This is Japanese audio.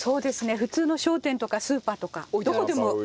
普通の商店とかスーパーとかどこでも売ってます。